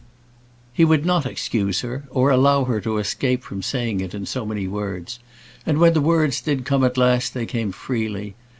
He would not excuse her, or allow her to escape from saying it in so many words; and when the words did come at last, they came freely.